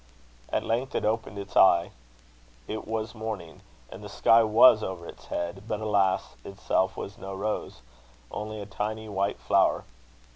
At length it opened its eye. It was morning, and the sky was over its head; but, alas! itself was no rose only a tiny white flower.